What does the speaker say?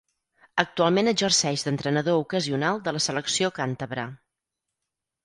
Actualment exerceix d'entrenador ocasional de la selecció càntabra.